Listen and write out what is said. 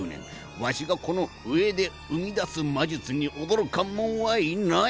わしがこの笛で生み出す魔術に驚かんもんはいない。